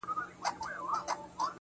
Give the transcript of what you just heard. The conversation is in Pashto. زما خو ټوله كيسه هر چاته معلومه.